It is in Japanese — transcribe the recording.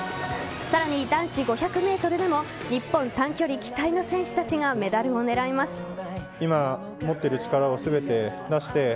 さらに男子５００ｍでも日本短距離期待の選手たちがメダルを狙います。